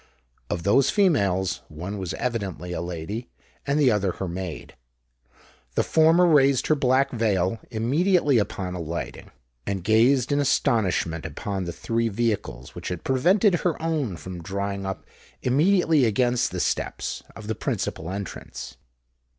Of those females, one was evidently a lady, and the other her maid. The former raised her black veil, immediately upon alighting, and gazed in astonishment upon the three vehicles which had prevented her own from drawing up immediately against the steps of the principal entrance.